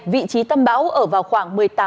vị trí tâm bão ở vào khoảng một mươi tám